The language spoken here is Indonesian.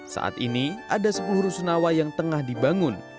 saat ini ada sepuluh rusunawa yang tengah dibangun